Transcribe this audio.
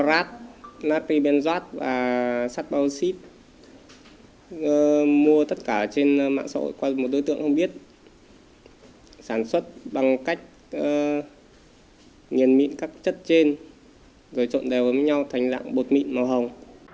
rồi trộn đều với nhau thành dạng bột mịn màu hồng